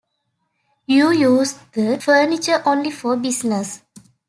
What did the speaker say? You use the furniture only for business.